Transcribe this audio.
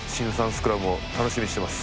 スクラムを楽しみにしてます。